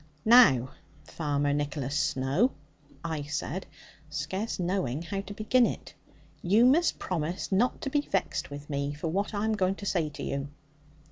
'Now, Farmer Nicholas Snowe,' I said, scarce knowing how to begin it, 'you must promise not to be vexed with me, for what I am going to say to you.'